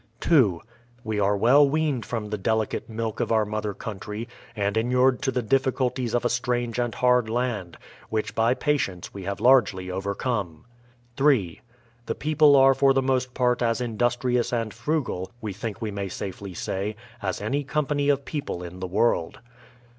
2. We are well weaned from the delicate milk of our mother 28 BRADFORD'S HISTORY OF country, and inured to the difficulties of a strange and hard lan'd, which by patience we have largely overcome. 3. The people are for the most part as industrious and frugal, we think we may safely say, as any company of people in the world.